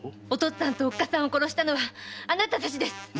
お父っつぁんとおっかさんを殺したのはあなたたちです！